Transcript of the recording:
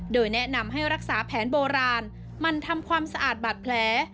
โดยแนะนำให้รักษาแผนโบราณมันทำความสะอาดบาดแผล